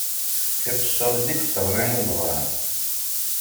D tiqeccaḍin i yesserɣayen izeɣwṛan.